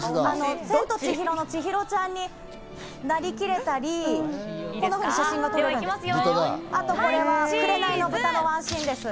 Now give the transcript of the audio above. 『千と千尋』の千尋ちゃんになりきれたり、こんなふうに写真が撮れるんです。